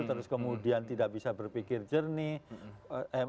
terus kemudian tidak bisa berpikir jernih